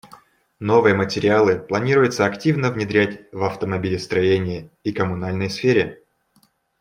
Новые материалы планируется активно внедрять в автомобилестроении и коммунальной сфере.